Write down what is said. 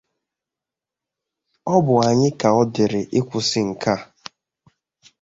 Ọ bụ anyị ka ọ dịịrị ịkwụsị nke a